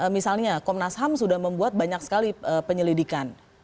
misalnya komnas ham sudah membuat banyak sekali penyelidikan